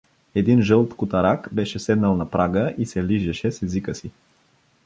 Един жълт котарак беше седнал на прага и се лижеше с езика си.